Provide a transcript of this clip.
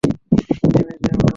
নেমে যা বাবা।